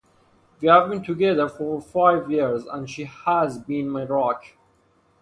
We have been together for five years, and she has been my rock.